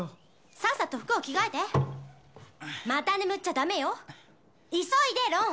さっさと服を着替えてああまた眠っちゃダメよ急いでロン！